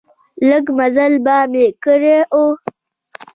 لږ مزل به مې کړی و.